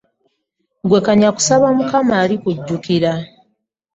Ggwe kanya kusaba Mukama alikujjukira.